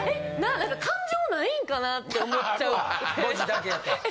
なんか感情ないんかなって思っちゃって。